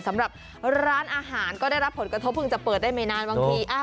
สำหรับร้านอาหารก็ได้รับผลกระทบเพิ่งจะเปิดได้ไม่นานบางที